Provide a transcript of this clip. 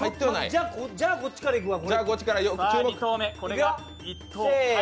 じゃあ、こっちからいくわ。